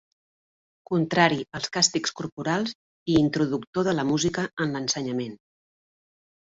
Contrari als càstigs corporals i introductor de la música en l’ensenyament.